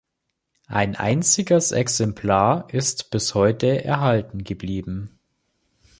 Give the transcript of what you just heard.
Ein einziges Exemplar ist bis heute erhalten geblieben.